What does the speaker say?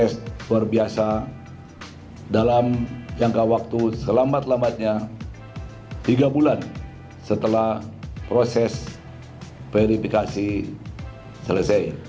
setelah proses verifikasi selesai